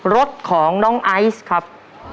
รถของน้องไอซ์ครับ